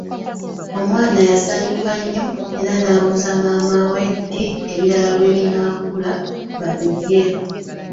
Omwana yasanyuka nnyo era n'abuuza maama we ddi ebibala lwe binaakula babirye.